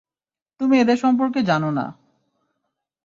তুমি এদের সম্পর্কে জানো না।